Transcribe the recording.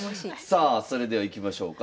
さあそれではいきましょうか。